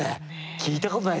聞いたことない。